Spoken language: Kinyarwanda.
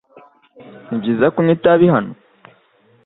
Nibyiza kunywa itabi hano?